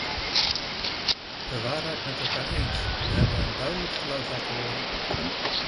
We waren het met elkaar eens, we hebben een duidelijk geluid laten horen.